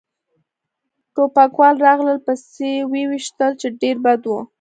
ټوپکوال راغلل پسې و يې ویشتل، چې ډېر بد و.